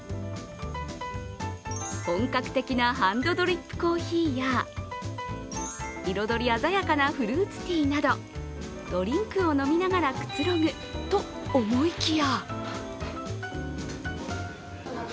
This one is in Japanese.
本格的なハンドドリップコーヒーや彩り鮮やかなフルーツティーなどドリンクを飲みながらくつろぐと思いきや。